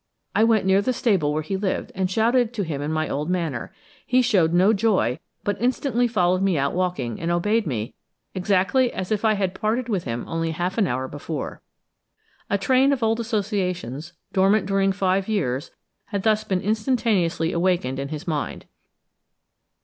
I went near the stable where he lived, and shouted to him in my old manner; he shewed no joy, but instantly followed me out walking, and obeyed me, exactly as if I had parted with him only half an hour before. A train of old associations, dormant during five years, had thus been instantaneously awakened in his mind.